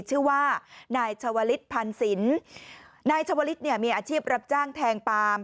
ชื่อว่านายชาวลิศพันสินนายชาวลิศเนี่ยมีอาชีพรับจ้างแทงปาล์ม